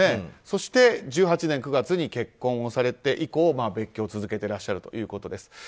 そして１８年９月に結婚をされて以降別居を続けていらっしゃるということです。